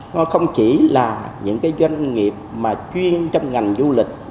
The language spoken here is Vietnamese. nó không chỉ là những doanh nghiệp chuyên trong ngành du lịch